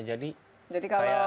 jadi kayak kita ketemu